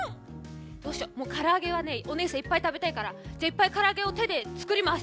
どうしようからあげはねおねえさんいっぱいたべたいからじゃいっぱいからあげをてでつくります。